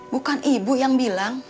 bukan ibu yang bilang